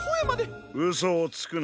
うそをつくな。